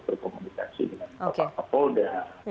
berkomunikasi dengan pak polda